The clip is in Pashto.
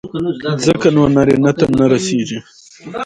ځکه نو نارينه ته نه رسېږي.